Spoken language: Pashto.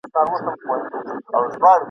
عدالت د خلکو ارامي زیاتوي.